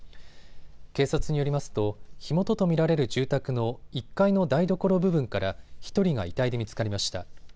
警察によりますと火元と見られる住宅の１階の台所部分から１人が遺体で見つかりました。